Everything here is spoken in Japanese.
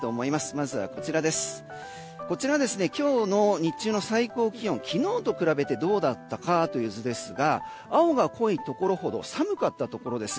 まずは、今日の日中の最高気温が昨日と比べてどうだったかという図ですが青が濃いところほど寒かったところです。